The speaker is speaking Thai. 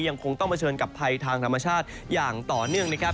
ยังคงต้องเผชิญกับภัยทางธรรมชาติอย่างต่อเนื่องนะครับ